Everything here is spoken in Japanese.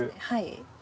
はい。